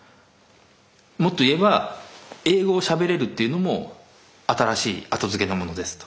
もっと言えば英語をしゃべれるっていうのも新しい後付けのものですと。